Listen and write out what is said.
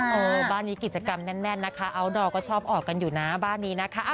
เออบ้านนี้กิจกรรมแน่นนะคะอัลดอร์ก็ชอบออกกันอยู่นะบ้านนี้นะคะ